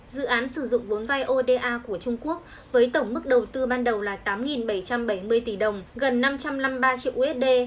dự án sử dụng vốn vai oda của trung quốc với tổng mức đầu tư ban đầu là tám bảy trăm bảy mươi tỷ đồng gần năm trăm năm mươi ba triệu usd